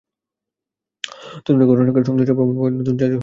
তদন্তে ঘটনার সঙ্গে সংশ্লিষ্টতার প্রমাণ পাওয়ায় নতুন করে চারজনকে আসামি করা হয়েছে।